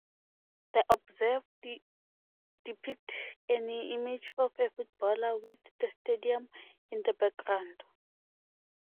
The obverse depicts an image of a footballer with the stadium in the background.